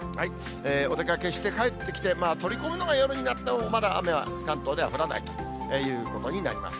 お出かけして、帰ってきて、まあ、取り込むのが夜になっても、まだ雨は、関東では降らないということになります。